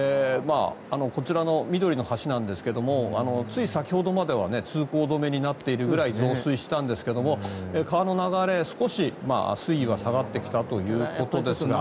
こちらの緑の橋なんですがつい先ほどまでは通行止めになっているくらい増水していたんですが川の流れ、少し水位は下がってきたということですが。